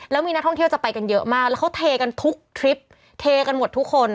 แล้วมีนักท่องเที่ยวจะไปกันเยอะมากแล้วเขาเทกันทุกทริปเทกันหมดทุกคน